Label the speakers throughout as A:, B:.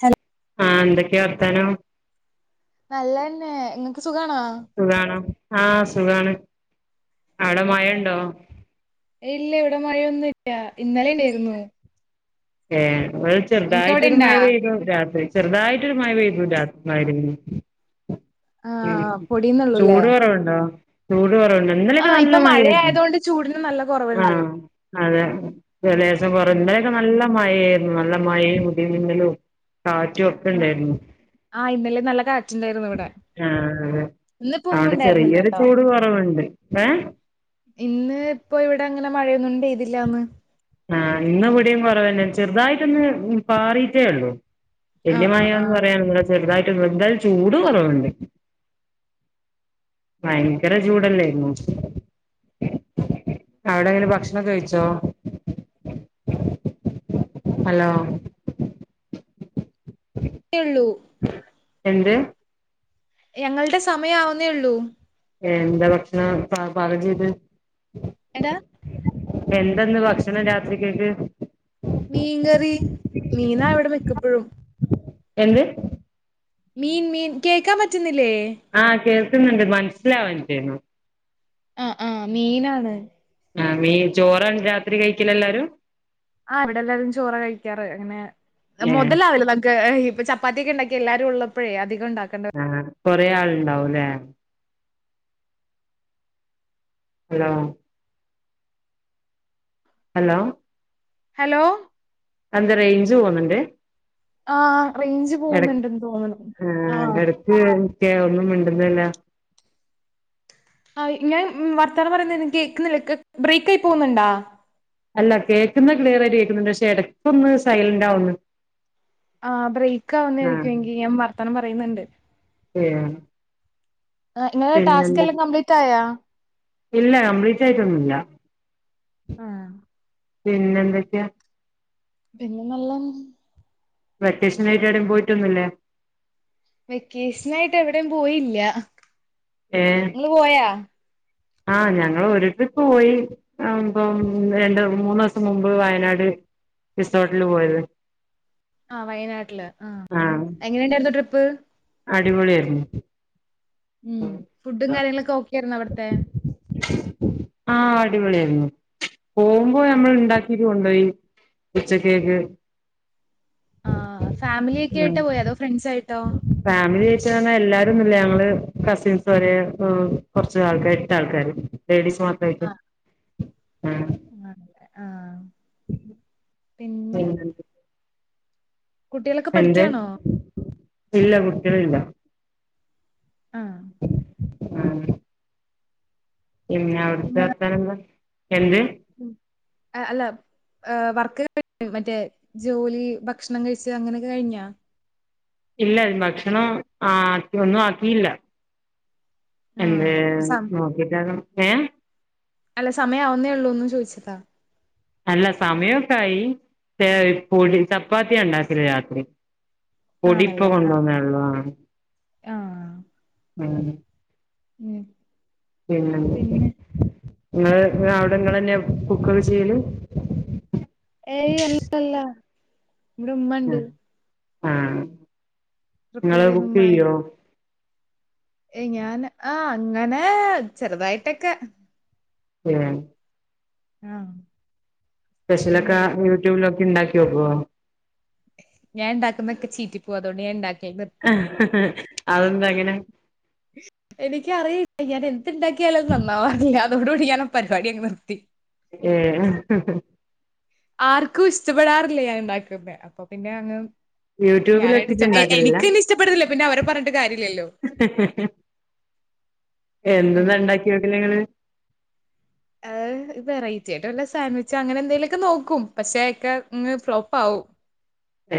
A: Hello
B: ആഹ് എന്തൊക്കെയാ വർത്താനം
A: നല്ല തന്നെ നിങ്ങക്ക് സുഖാണോ
B: സുഖണോ ആഹ് സുഖാണ് അവിടെ മഴയുണ്ടോ?
A: ഇല്ല ഇവിടെ മയൊന്നുല്ല. ഇന്നലെ യ്ണ്ടായിരുന്നു
B: ഏ വടെ
A: നിങ്ങക്ക് അവിടെ
B: ചെറ്തായിട്ടൊരു
A: ഇണ്ടാ
B: മഴ പെയ്തു രാത്രി ചെറുതായിട്ടൊരു മഴ പെയ്തു രാത് മഹ് രിബിന് ഉം
A: ആഹ് പൊടിയുന്നുള്ളൂല്ലേ
B: ചൂട് കുറവുണ്ടോ? ചൂട് കുറവ് ണ്ട ഇന്നലൊക്കെ
A: ആഹ്
B: നല്ല
A: ഇപ്പൊ
B: മഴാരുന്നു
A: മഴയായതുകൊണ്ട് ചൂടിന് നല്ല കൊറവുണ്ട്
B: ആഹ് അതെ എ ലേസം കൊറ ഇന്നലൊക്കെ നല്ല മഴായിരുന്നു. നല്ല മഴീ മുടിമിന്നലും
A: ആഹ്
B: കാറ്റുഒക്കെണ്ടാരുന്നു
A: ആഹ് ഇന്നലെ നല്ല കാറ്റ് ണ്ടായിരുന്നു ഇവിടെ
B: ആഹ്
A: ഇന്നിപ്പോ ഒന്നും
B: അതുകൊണ്ട്
A: ഉണ്ടായിരുന്നില്ല
B: ചെറിയരു
A: കേട്ടോ
B: ചൂട് കുറവുണ്ട് ഏഹ്?
A: ഇന്ന് പ്പൊ ഇവിട ങ്ങനെ മഴയൊന്നും പെയ്തില്ലാന്ന്
B: ആഹ് ഇന്ന് വിടിം കുറവന്നെ. ചെറുതായിട്ടൊന്ന് പാറീട്ടേ ഉള്ളു
A: ആഹ്
B: വല്യ
A: ആഹ്
B: മയാന്ന്
A: ആഹ്
B: പറയാനോന്നുല്ല ചെറുതായിട്ട്ണ്ട് ന്തായാലും ചൂട് കുറവുണ്ട് ഭയങ്കര ചൂടല്ലേ നോ അവിടെ ങ്ങനെ ഭക്ഷണൊ ക്കെ കഴിച്ചോ? ഹലോ [inaudible]
A: എള്ളൂ
B: എന്ത്?
A: ഞങ്ങളുടെ സമയാ വുന്നേ യുള്ളൂ
B: എന്ത് ഭക്ഷണാ പ പാകം ചെയ്ത്?
A: എന്താ?
B: എന്തന്ന് ഭക്ഷണം രാത്രികക്ക്?
A: മീൻകറി മീനാ വിടെ മിക്കപ്പഴും
B: എന്ത്?
A: മീൻ മീൻ കേക്കാ പറ്റുന്നില്ലേ?
B: ആഹ് കേൾക്ക്ണണ്ട് മനസ്സിലാവാഞ്ഞിട്ടേന്നു
A: അ മീനാണ്
B: ആ മീന് ചോറാണ് രാത്രി കഴിക്കല ല്ലാരും
A: ആ് ഇവിടെ എല്ലാരും ചോറാ കഴിക്കാറ് അങ്ങനെ
B: ഏഹ്
A: മുതലാവില്ല നമ്ക്ക് ഹി ചപ് പ്പാത്തിക്കെണ്ടാക്കിയ എല്ലാവും ഉള്ളപ്പോഴ അധികം ഉണ്ടാക്കണ്ടണ്ട്
B: ആഹ് കൊറെേ ആളുണ്ടാവുല്ലേ? ഹലോ അലോ
A: ഹലോ
B: അ എന്താ റെയ്ഞ്ച് പോണ് ണ്ടെ
A: ആഹ് റേയ്ഞ്ച് പോകുന്നുണ്ടെന്ന് തോന്നണ് ആ
B: ആഹ് [unintelligible] ഒന്നും മിണ്ടുന്നല്ല
A: ആയ് ഞാൻ വർത്താനം പറയുന്നത് എനി കേക്കുന്നില്ല ക് ബ്രേയ്ക്കാ യി പോകുന്നുണ്ടോ?
B: അല്ല കേൾക്കുന്ന ക്ലിയറായിട്ട് കേക്കുന്നുണ്ട് പക്ഷെ ഇടക്കൊന്ന് സൈലന്റാ--വുന്നു
A: ആ ബ്രയ്ക്കാ
B: ആഹ്
A: ആവുന്നതരിക്കും എങ്കി ഞാൻ വർത്തനം പറയുന്നുണ്ട്
B: ഏഹ്
A: ആഹ് ഇങ്ങളെ ടാസ്കെല്ലാം കംപ്ലീറ്റായാ
B: ഇല്ല കംപ്ലീറ്റായിട്ടൊന്നുല്ല
A: ആഹ്
B: പിന്നെന്തെക്കെയാ
A: പിന്നെ നല്ലാണ്
B: വെക്കേഷനായിട്ട് എവിടേം പോയിട്ടൊന്നുല്ലേ
A: വെക്കേഷനായിട്ട് എവിടേം പോയില്ല
B: ഏഹ്
A: ഇങ്ങള് പോയാ?
B: ആഹ് ഞങ്ങള് ഒരുട്രിപ്പ് പോയി ആ ഇപ്പം രണ്ട് മൂന്ന്സം മുമ്പ് വയനാട് റിസോട്ടില് പോയത്
A: ആഹ് വയനാട്ടില് ആഹ് ആഹ് എങ്ങനെണ്ടായിരുന്നു ട്രിപ്പ്
B: അടിപൊളി ആയിരുന്നു
A: ഉം ഫുഡും കാര്യങ്ങളൊക്കെ ഓക്കെയായിരുന്നോ അവിടത്തെ
B: ആഹ് അടിപൊളിയായിരുന്നു പോവുമ്പൊ നമ്മള് ഇണ്ടാക്കിയിട്ട് കൊണ്ടോയി ഉച്ചക്കേക്ക്
A: ആഹ്
B: ആഹ്
A: ഫാമിലിയൊക്കായിട്ടാ പോയെ അതോ ഫ്രണ്ട്സായിട്ടോ
B: ഫാമിലി ആയിട്ട് പറഞ്ഞ എല്ലാരൊന്നുല്ല ഞങ്ങള് കസിൻസ് ഒരേ കൊറച്ചാൾ എട്ടാൾക്കാര് ലേഡീസ് മാത്രായിട്ട് ആഹ്
A: അങ്ങനെ ആഹ് പിന്നെ കുട്ടികളൊക്കെ
B: എന്ത്
A: പഠിക്കാണോ?
B: ഇല്ല കുട്ടികളില്ല
A: ആഹ്
B: ആഹ് പിന്നെ അവിടുത്തെ വർത്താനെന്താ എന്ത്‌
A: ഏഹ് അല്ല ഏഹ് വർക്ക്കഴിഞ്ഞാ മറ്റേ ജോലി ഭക്ഷണം കഴിച്ച് അങ്ങനെയൊക്കെ കഴിഞ്ഞോ
B: ഇല്ല ഭക്ഷണം ആക്കി ഒന്നു ആക്കിയില്ല എന്തേ
A: ആഹ് സം
B: നോക്കിട്ടാക്കണം ഏഹ്
A: അല്ല സമയമാവുന്നേയുള്ളൂന്ന് ചോയിച്ചതാ
B: അല്ല സമയൊക്കായി പിന്നെ പൊടി ചപ്പാത്തിയാണ്ടാക്കല് രാത്രി പൊടിപ്പൊ
A: ആണല്ലേ
B: കൊണ്ട്
A: ആഹ്
B: വന്നതേയൊള്ളൂ ആഹ്
A: ആഹ് ഉം
B: പിന്നെ
A: പിന്നെ
B: എന്തൊക്കെയാ ഇങ്ങള് അവിടെ ഇങ്ങളെന്നെയാ കുക്കൊക്കെ ചെയ്യല്
A: ഏയ് അല്ലല്ല ഇവിടെ ഉമ്മണ്ട്
B: ഉം ആഹ്
A: പ്രിപ്പയർ
B: ഇങ്ങള്
A: ചെയ്യുന്ന ഉമ്മായ
B: കുക്കെയ്യോ
A: ഏയ് ഞാന് ആഹ് അങ്ങനെ ചെറുതായിട്ടൊക്കെ
B: ഏഹ്
A: ആഹ് ഉമ്മയാ
B: സ്പെഷ്യലൊക്കെ
A: പ്രിപ്പയർ
B: യൂട്യൂബിലോക്കി ഇണ്ടാക്കി നോക്കോ
A: ഞാൻ ഇണ്ടാക്കുന്നൊക്കെ ചീറ്റി പോവാ അതോണ്ട് ഞാൻ ഇണ്ടാക്കല് നിർ
B: അതെന്താ അങ്ങനെ
A: മ് എനിക്കറിയില്ല ഞാൻ എന്ത്‌ ഇണ്ടാക്കിയാലും അത് നന്നാവാറില്ല അതോടുകൂടി ഞാനാ പരിപാടിയങ്ങ് നിർത്തി
B: ഏഹ്
A: ആർക്കു ഇഷ്ടപ്പെടാറില്ല ഞാന്ണ്ടാക്കുന്നെ അപ്പൊപ്പിന്നെ അങ്ങ്
B: യൂട്യൂബിൽ
A: ഞാനായിട്ട്
B: വെച്ചിട്ട്
A: സ്റ്റോ എ എ
B: ഇണ്ടാക്കലില്ല
A: എനിക്കെന്നെ ഇഷ്ടപ്പെടലില്ല പിന്നെ അവരെ പറഞ്ഞിട്ട് കാര്യല്ലല്ലോ
B: എന്ത്‌ന്നാ ഇണ്ടാക്കി നോക്കല് ഇങ്ങള്
A: ഏഹ് വെൈറ്റിയായിട്ട് വല്ല സാൻഡ്വിച്ചോ അങ്ങനെ എന്തെങ്കിലൊക്കെ നോക്കും പക്ഷേ അതൊക്കെയങ്ങ് ഫ്ലോപ്പാകും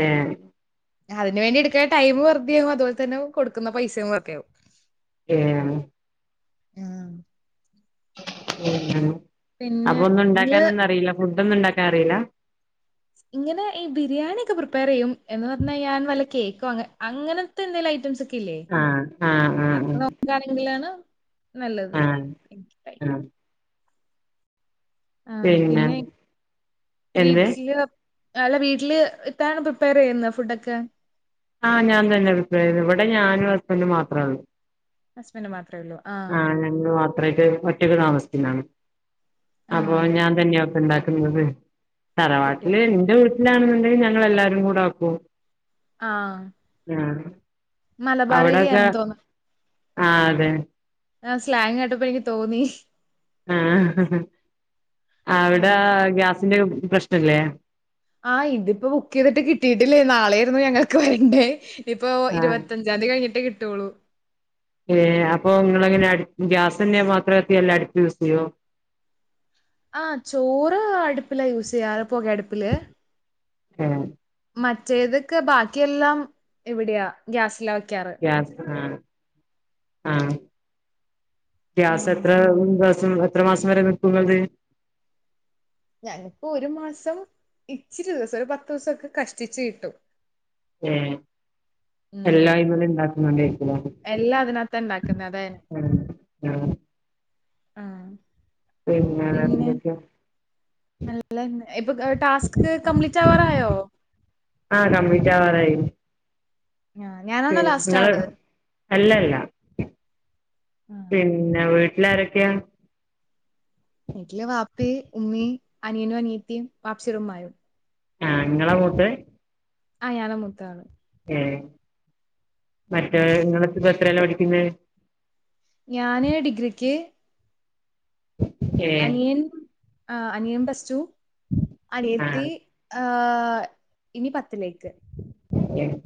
B: ഏഹ്
A: അതിന്ണ്ടിയെടുക്കുന്ന ടൈം വെറുതെയാവും അത്പോലെ തന്നെ കൊടുക്കുന്ന പൈസയും വെർതെയാകും
B: ഏഹ്
A: യാ ഹ് ആഹ്
B: ഉം [unintelligible]
A: പിന്നെ
B: അപ്പൊ
A: നിങ്ങള്
B: ഒന്നുണ്ടാക്കാനൊന്നും അറീല ഫുഡ് ഒന്നുണ്ടാക്കാൻ അറീല
A: ഇങ്ങനെ ഈ ബിരിയാണി ഒക്കെ പ്രിപ്പയർ ചെയ്യും എന്ന് പറഞ്ഞാൽ ഞാൻ വല്ല കേക്കോ അങ അങ്ങനതന്തെലും ഐറ്റംസ് ക്കില്ലെ
B: ആഹ് ആഹ് ആഹ്
A: അതൊകെ നോക്കണെങ്കിലാണ് നല്ലത്
B: ആഹ്
A: ത തക്
B: ആഹ്
A: ആഹ്
B: പിന്നെ
A: പിന്നെയ്
B: എന്ത്
A: വീട്ടില് അല്ല വീട്ടില് ഇത്താണ് പ്രിപ്പയറെയ്യുന്നെ ഫുഡൊക്കെ
B: ആഹ് ഞാൻതന്നെ പ്രിപ്പയർ ഇവിടെ ഞാനും ഹസ്ബൻഡും മാത്രാള്ള്
A: ഹസ്ബഡ് മാത്രെ ഒള്ളു
B: ആഹ് ഞങ്ങള് മാത്രായിട്ട് ഒറ്റക്ക് താമസത്തിനാണ്
A: ആ
B: അപ്പൊ ഞാൻ തന്നെയ ഒക്ക ഇണ്ടാക്കുന്നത് തറവാട്ടില്
A: കുട്ടികള്
B: എന്റെവീട്ട് ല്ലാന്നുണ്ടെങ്കി ഞങ്ങൾ എല്ലാരും കൂടെ വെക്കും
A: ആഹ്
B: ആഹ് അവ്ടൊക്കെ
A: ഏരിയാന്ന്
B: ആഹ് അതെ
A: ആഹ് സ്ലാങട്ടപ്പോ എനിക്ക് തോന്നി
B: ആഹ്
A: ആ
B: അവിടെ ആഹ് ഗ്യാസിന്റെക്കെ പ്രശ്നല്ലേ
A: ആഹ് ഇതിപ്പോ ബുക്കയ്തിട്ട് കിട്ടിയിട്ടില്ലേ നാളെയിരുന്നു ഞങ്ങൾക്ക് വരണ്ടേ ഇപ്പോ
B: ആഹ്
A: ഇരുപത്ത താന്തി കഴിഞ്ഞട്ടേ കിട്ടോള്ളൂ
B: ഏഹ് അപ്പൊ നിങ്ങളങ്ങനെ അടുപ്പും ഗ്യാസന്നെ മാത്രം അല്ല അടുപ്പ് യൂസ് ചെയ്യോ
A: ആഹ് ചോറ് അടുപ്പിലാ യൂസയ്യാറ് പോക അടുപ്പില്
B: ഏഹ്
A: മറ്റേതൊക്കെ ബാക്കിയെല്ലാം ഇവിടെയാ ഗ്യാസില വയ്ക്കാറ്
B: ഗ്യാസ് ആഹ് ആ ഗ്യാസ്
A: ഉം
B: എത്ര ദിവസം എത്ര മാസം വരെ നിക്കും ഇങ്ങൾത്
A: ഞങ്ങക്ക് ഒരു മാസം ഇച്ചിരി ദിവസം ഒരു പത്തൂസൊക്കെ കഷ്ടിച്ചു കിട്ടും
B: ഏഹ് എല്ലാഅയ്മല് ഇണ്ടാക്കുന്നണ്ടരികുലേ
A: എല്ലാ അതിനകത്ത ഇണ്ടാക്കുന്ന അതെ
B: ആഹ്
A: ആഹ്
B: പിന്നെ വേറെന്തൊക്കെയാ
A: നല്ലന്നെ ഇപ്പൊ ക് ടാസ്ക് കംമ്പ്ലീറ്റാവാറായോ
B: ആഹ് കംമ്പ്ലീറ്റാവാറായി
A: ആഹ്
B: ഉം
A: ഞാനാണോ ലാസ്റ്റ്
B: ഇങ്ങളെ
A: ആള്?
B: അല്ലല്ല പി
A: ആഹ്
B: പിന്നെ വീട്ടിലാരൊക്കെയാ
A: വീട്ടില് വാപ്പി ഉമ്മീ അനിയനും അനിയതിം വാപ്പ്ച്ചീടെ ഉമ്മായും.
B: ആഹ് ങ്ങളാ മൂത്തത്
A: ആഹ് ഞാന മൂത്താള്
B: ഏഹ്
A: ഉം
B: മറ്റേലൊ ഇങ്ങള ഇപ്പ എത്രയല്ല പഠിക്കുന്നത്
A: ഞാന് ഡിഗ്രിക്ക്
B: ഏ
A: അനിയൻ ആഹ് അനിയൻ പ്ലസ്ടു
B: ആ
A: അനിയത്തി ആഹ് ആഹ് ഇനി പത്തിലേക്ക്
B: ഏഹ്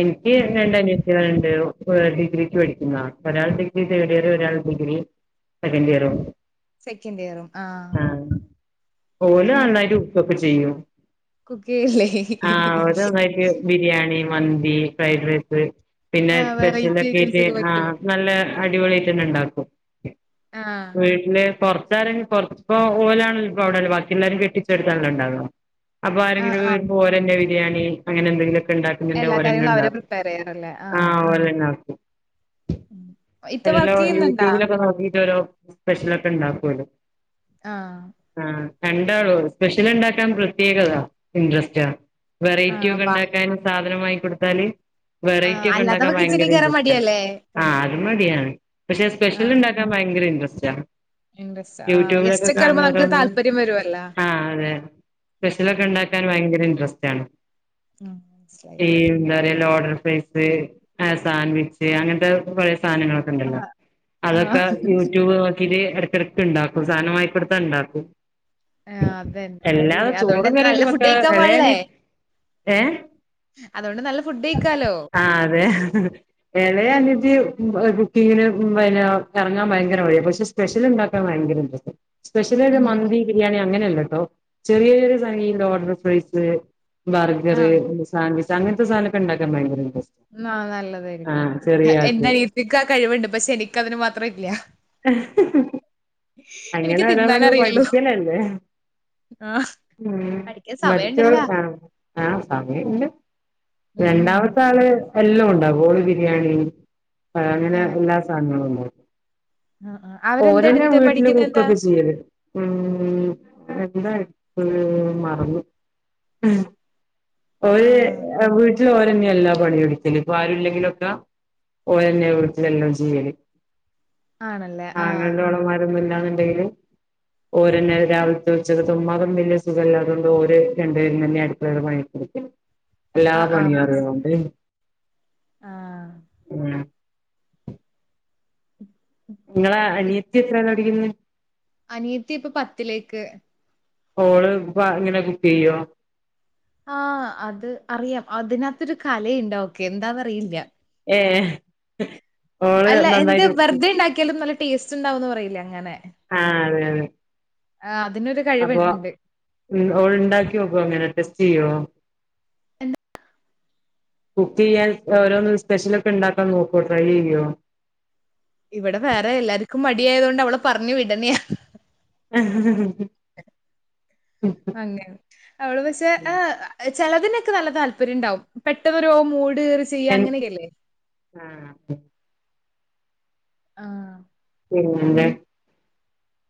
B: എനിക്ക് രണ്ടനിയ തിയേള്ണ്ട് ഡിഗ്രിക്ക് പഠിക്കുന്നാ ഒരാൾ ഡിഗ്രി തേർഡ് ഇയർ ഒരാൾ ഡിഗ്രി സെക്കന്റ്‌ ഇയറും
A: സെക്കന്റ്‌ ഇയറും ആഹ്
B: ആ
A: ഉം
B: ഒക്കെ ചെയ്യോ
A: കുക്കു ചെയ്യില്ലേ
B: ആയിക് ബിരിയാണി മന്തി ഫ്രൈഡ് റൈസ് പിന്നെ
A: ആ വെറൈറ്റി ഐറ്റംസ്
B: സ്പെഷ്യലക്കയ്റ്റ്
A: ഒക്കെ പറ്റോ?
B: ആഹ് നല്ല അടിപൊളിയ്ട്ടന്നെ ഇണ്ടാക്കും.
A: ആ.
B: വീട്ടില് പൊറത്താരെങ്കിലും കൊറച്പ്പോ ഓലാണ്ല്ലോ പ്പോ അവിടെ ള്ളേ ബാക്കി എല്ലാരും കെട്ടിചോടുത്താണല്ലോ ഇണ്ടാവ അപ്പൊ
A: ആ,
B: ആരെങ്കിലും
A: ആ.
B: വരുമ്പോ ഓരന്നെ ബിരിയാണി അങ്ങനെ എന്തെങ്കിലൊക്കെ ഇണ്ടാ അങ്ങനെല്ല
A: എല്ലാ
B: പോലെന്നെ
A: കാര്യങ്ങളും അവരാ
B: ഇണ്ടാക്കും
A: പ്രിപ്പയർ ചെയ്യാറല്ലേ? ആ.
B: ആഹ് ഓലന്നെ
A: ഉം. ഇത്ത
B: അല്ലല്ലോ
A: വർക്ക് ചെയ്യുന്നുണ്ടാ?
B: യൂട്യൂബിലൊക്കെ നോക്കിട്ടോഓരോ സ്പെഷ്യലൊക്കെ ഇണ്ടാക്കൂല്ലോ
A: ആഹ്
B: ആ രണ്ടളു സ്പെഷ്യൽ ഉണ്ടാക്കാൻ പ്രത്യേകത ഇൻ്രസ്റ്റ് വെറൈ
A: ആ,
B: ടി ഒക്കെ
A: വാ!
B: ഉണ്ടാക്കാനും സാധന വാങ്ങി കൊടുത്താല്
A: ആ,
B: വെറൈറ്റി ഒക്കെ ഉണ്ടാക്കാൻ
A: അല്ലാത്തപ്പോ
B: ഭയങ്കര
A: കിച്ചണിൽ കേറാൻ
B: ഇൻട്രസ്റ്റ്
A: മടിയാല്ലേ?
B: ആ അതു മതിയാണ് പക്ഷെ
A: ആ,
B: സ്പെഷ്യൽണ്ടാക്ക ക്കാൻ ഭയങ്കര ഇൻട്രസ്റ്റ്
A: ഇൻട്രസ്റ്റ്. ആ,
B: യൂട്യൂബിലൊക്കെ
A: ഗസ്റ്റ് ഒക്കെ വരുമ്പോ നമുക്ക്
B: കാണുന്നപൊലൊന്ന്
A: താല്പര്യം വരുവല്ലോ.
B: ആഹ് അതെ സ്പെഷ്യലൊക്കെ ഉണ്ടാക്കാൻ ഭയങ്കര ഇൻട്രസ്റ്റ് ആണ്
A: ആഹ് ഇൻട്രസ്റ്റ്
B: ഈ എന്താ പറയ ലോഡൽ ഫ്രൈസ് സാൻഡ്വിച്ച് അങ്ങനത്തെ പഴയ സാധനങ്ങളൊക്കെ
A: ആ,
B: ഒണ്ടല്ലോ
A: ആ.
B: അതൊക്കെ യൂട്യൂബ് നോക്കിട്ട് ഇടക്കിടക്ക് ഉണ്ടാക്കും സാധനം വാങ്ങിക്കൊടുത്താ ഉണ്ടാക്കും
A: ആ, അതന്നെ.
B: എല്ലാതെ
A: അടിപൊളി. അതുകൊണ്ട്
B: ചോറും
A: എന്താ
B: കറിയും
A: നല്ല
B: ഒക്കെ
A: ഫുഡ്
B: വെക്ക
A: കഴിക്കാൻ
B: ഇളയാലി
A: പാടില്ലേ?
B: ഏഹ്
A: അതുകൊണ്ട് നല്ല ഫുഡ് കഴിക്കാലോ.
B: ആഹ് അതെ ഇളയ അനിയത്തി കുക്കിങ്ങിന് പിന്നെ ഇറങ്ങാൻ ഭയങ്കര മടിയ പക്ഷെ സ്പെഷ്യൽ ഉണ്ടാക്കാൻ ഭയങ്കര ഇൻ ട്രസ്റ്റാ സ്പെഷ്യലൊരു
A: ഉം.
B: മന്തി ബിരിയാണി അങ്ങനെയല്ലട്ടോ ചെറിയോരു സംഖ്യ ഈ ലോർഡർ ഫ്രൈസ്
A: ആ,
B: ബർഗറ് സാൻവിച്ച് അങ്ങനത്തെ സാധനൊക്കെ ഉണ്ടാക്കാൻ ഭയങ്കര ഇ
A: ആ നല്ലതായിരിക്കും
B: ആൾക്ക്
A: എന്റെനീത്തക്ക് ആ കഴിവുണ്ട് പക്ഷെ എനിക്കതിന് മാത്രം ഇല്ല
B: അങ്ങനെ
A: എനിക്ക്
B: വരാന്നങ്ങ്
A: തിന്നാനറിയുള്ളൂ.
B: പഠിക്കലല്ലേ
A: ആഹ്
B: ഉം
A: പഠിക്കാൻ
B: മറ്റോൾ
A: സമയണ്ടല്ല.
B: ആഹ് ആ സമയണ്ട്
A: ഉം
B: രണ്ടാമത്തെ ആള് എല്ലാം ഉണ്ടാവും ബോളി ബിരിയാണി പഴം അങ്ങനെ എല്ലാ സാധനങ്ങളും ഉണ്ടാവും
A: ആ ആഹ്
B: ഓല്ന്നെയാ
A: അവരെന്തെടുത്തെ
B: വീട്ടില്
A: പഠിക്കുന്നെന്താ?
B: കുക്കൊക്കെ ചെയ്യത് ഉം എന്താ എപ്പോഴും മറന്നു ഉം പോയി
A: ആഹ്
B: ജ്ജും ഓരന്നെയ എല്ലാം പണിയൊടുത്തല് ഇപ്പ ആരുല്ലെങ്കിലൊക്കെ ഓരന്നെത്തില എല്ലാം ചെയ്യല്
A: ആണ്
B: ആങ്ങളെൻ്റെ ഓളന്മാരൊന്നും ഇല്ലാന്ന് ഉണ്ടെങ്കില് ഓരന്നെയാണ് രാവിലത്തെതും ഉച്ചക്കത്തേതും ഉമ്മാക്ക് ഒന്നും വലിയ സുഖമല്ലാതുകൊണ്ട് ഓര് രണ്ടുപേരും തന്നെയാ അടുക്കുള്ള പണിയൊക്കെ എടുക്കല് എല്ലാ
A: ആഹ് ആഹ്
B: പണിയും
A: മൻസ്
B: അറിയണം ഉം
A: ആഹ്.
B: നിങ്ങളെ അണിയത്തി എത്രാണ് പടിക്കുന്നത്
A: അനിയത്തി ഇപ്പ പത്തിലേക്ക്
B: പ്പാ ഓള് പ്പാ ഇങ്ങനെ കുക്ക് ചെയ്യോ
A: ആഹ് അത് അറിയാം അതിനകത്തൊരു കലയുണ്ട് ഓക്കെ എന്താന്ന് അറിയില്ല
B: ഏ
A: അല്ല എന്ത് വെറുതെ ഉണ്ടാക്കിയാലും നല്ല ടേസ്റ്റ് ഉണ്ടാവന്ന് പറയില്ലേ അങ്ങനെ
B: ആഹ്അതെ അതെ
A: ആഹ് അതിനൊരു കഴിവുണ്ട്.
B: അപ്പൊ ഉം ഓള്ണ്ടാക്കി നോക്കോ അങ്ങനെ ടെസ്റ്റ് ചെയ്യോ? കുക്ക് ചെയ്യാൻ ഓരോന്ന് സ്പെഷ്യലൊക്കെ ഉണ്ടാക്കാൻ നോക്കോ ട്രൈ ചെയ്യോ
A: ഇവടെ വേറെ എല്ലാർക്കും മടിയായതോണ്ട് അവളെ പർഞ്ഞു വിടന്നേ
B: [unintelligible]
A: അങ്ങനെ അവള് പക്ഷെ ഏ ചെലതിനൊക്കെ നല്ല താല്പര്യം ഇണ്ടാവും പെട്ടെന്നൊരു മൂട് റി ചെയ്യ
B: എൻ
A: അങ്ങനെയക്കല്ലേ
B: ആഹ് തെ
A: ആഹ് പിന്നെ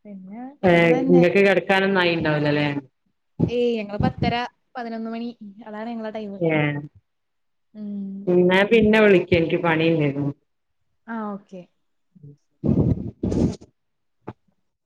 A: പിന്നെ
B: ഏ
A: നല്ലതന്നെ.
B: ങ്ങക്ക് കെടക്കാനൊന്നും ആയി ണ്ടാവൂല ല്ലേ.
A: ഏയ് ഞങ്ങള് പത്തെര, പതിനൊന്ന് മണി, അതാണ് ഞങ്ങളെ ടൈമ്.
B: ഏഹ്,
A: ഉം.
B: ഇന്നാ പിന്നെ വിളിക്ക ൻക്ക് പണിണ്ടായിർന്നു.
A: ആഹ്, ഓക്കെ.
B: [inaudible]